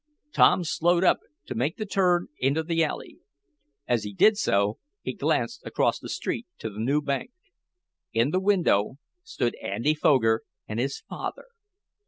Tom slowed up to make the turn into the alley. As he did so he glanced across the street to the new bank. In the window stood Andy Foger and his father.